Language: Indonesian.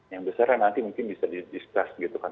yang besarnya nanti mungkin bisa didiscuss gitu kan